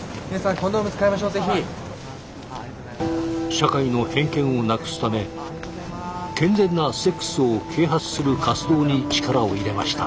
社会の偏見をなくすため健全なセックスを啓発する活動に力を入れました。